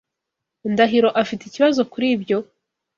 Ndahiro afite ikibazo kuri ibyo?